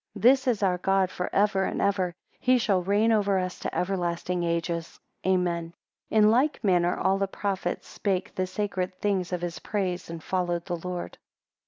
This is our God for ever and ever; he shall reign over us to everlasting ages. Amen. 18 In like manner all the prophets spake the sacred things of his praise, and followed the Lord.